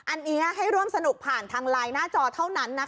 อันนี้ให้ร่วมสนุกผ่านทางไลน์หน้าจอเท่านั้นนะ